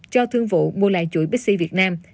cho thương vụ mua lại chuỗi bixi việt nam